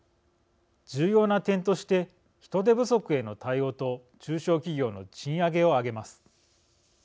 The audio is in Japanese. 重要な点として人手不足への対応と中小企業の賃上げを挙げます。